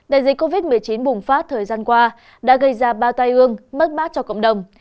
đại dịch covid một mươi chín bùng phát thời gian qua đã gây ra ba tai ương mất mát cho cộng đồng